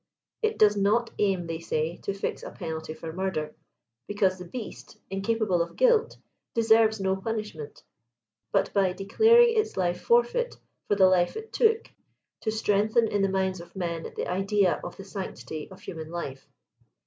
It does not aim, they say, to fix a penalty for murder; because the beast, incapable of guilt, deserves no punishment; but by declaring its life forfeit for the life it took, to strengthen, in the minds of men, the idea of the sanctity of human life.